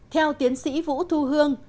theo tiến sĩ vũ thu hương